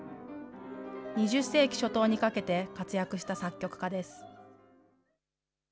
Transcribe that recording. ２０世紀初頭にかけて活躍した作曲家です。